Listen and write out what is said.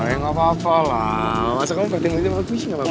ihh wah gak apa apa lah masa kamu berhati hati sama aku sih gak apa apa